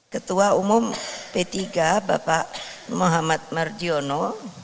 ketua umum p tiga bapak muhammad mardiono